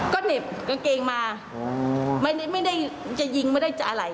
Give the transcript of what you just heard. ก็เน็บกางเกงมาอ๋อไม่ได้ไม่ได้จะยิงไม่ได้จะอะไร